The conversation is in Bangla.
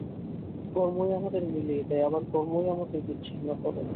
কর্মই আমাদের মিলিয়ে দেয়, আবার কর্মই আমাদের বিচ্ছিন্ন করে।